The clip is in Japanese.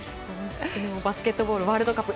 バスケットボールワールドカップ